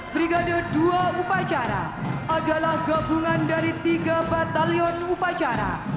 brigade dua upacara adalah gabungan dari tiga batalion upacara